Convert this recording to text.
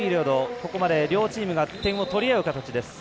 ここまで両チームが点を取りあう形です。